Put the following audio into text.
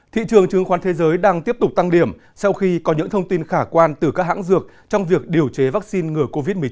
thị trường chứng khoán thế giới đang tiếp tục tăng điểm sau khi có những thông tin khả quan từ các hãng dược trong việc điều chế vaccine ngừa covid một mươi chín